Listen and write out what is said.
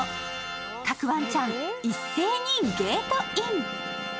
各ワンちゃん一斉にゲートイン！